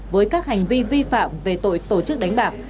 với các hành vi vi phạm về tội tổ chức đánh bạc